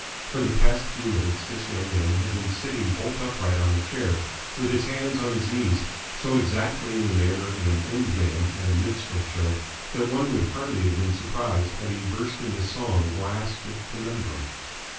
For the past few minutes this young man had been sitting bolt upright on a chair with his hands on his knees, so exactly in the manner of an end man at a minstrel show that one would hardly have been surprised had he burst into song or asked a conundrum.